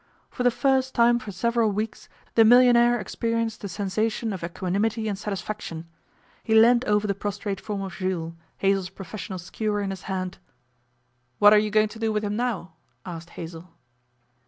For the first time for several weeks the millionaire experienced a sensation of equanimity and satisfaction. He leaned over the prostrate form of Jules, Hazell's professional skewer in his hand. 'What are you going to do with him now?' asked Hazell.